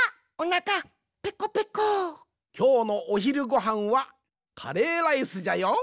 きょうのおひるごはんはカレーライスじゃよ。